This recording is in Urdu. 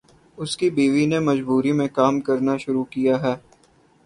اس کی بیوی نے مجبوری میں کام کرنا شروع کیا ہے۔